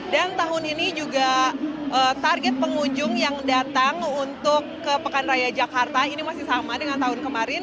dan tahun ini juga target pengunjung yang datang untuk ke pekan raya jakarta ini masih sama dengan tahun kemarin